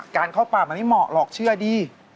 เข้าป่ามันไม่เหมาะหรอกเชื่อดี